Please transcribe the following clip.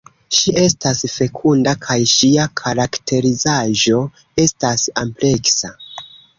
Ŝi estas fekunda kaj ŝia karakterizaĵo estas ampleksa.